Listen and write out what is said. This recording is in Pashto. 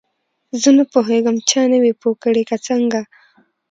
زه نه پوهیږم چا نه وې پوه کړې که څنګه.